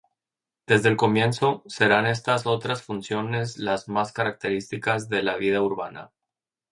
Desde el comienzo, serán estas otras funciones las más características de la vida urbana.